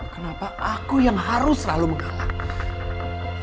kenapa aku yang harus selalu menghalangi